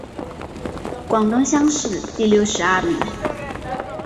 广东乡试第六十二名。